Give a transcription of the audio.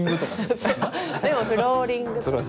でもフローリングとか。